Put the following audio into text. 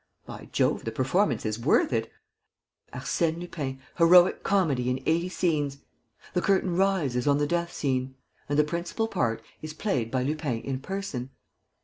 By Jove, the performance is worth it. ... Arsène Lupin, heroic comedy in eighty scenes. ... The curtain rises on the death scene ... and the principal part is played by Lupin in person.